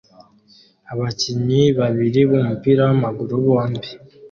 Abakinnyi babiri b'umupira w'amaguru bombi